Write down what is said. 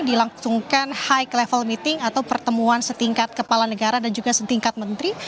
dilangsungkan high level meeting atau pertemuan setingkat kepala negara dan juga setingkat menteri